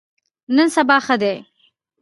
نن سبا ښه دي.